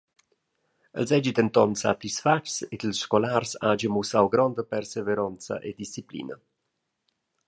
El seigi denton satisfatgs ed ils scolars hagien mussau gronda perseveronza e disciplina.